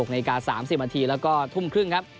๑๖น๓๐นแล้วก็ทุ่มครึ่งครับ